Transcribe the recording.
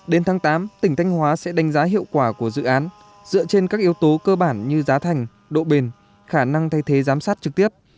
đến tháng tám tỉnh thanh hóa sẽ đánh giá hiệu quả của dự án dựa trên các yếu tố cơ bản như giá thành độ bền khả năng thay thế giám sát trực tiếp